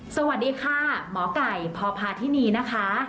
สวัสดีค่ะหมอไก่พพาธินีนะคะ